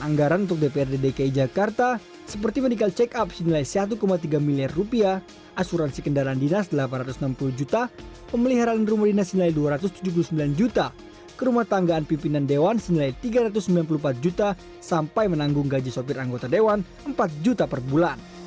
anggaran untuk dprd dki jakarta seperti medical check up senilai satu tiga miliar rupiah asuransi kendaraan dinas delapan ratus enam puluh juta pemeliharaan rumah dinas senilai rp dua ratus tujuh puluh sembilan juta ke rumah tanggaan pimpinan dewan senilai rp tiga ratus sembilan puluh empat juta sampai menanggung gaji sopir anggota dewan rp empat juta per bulan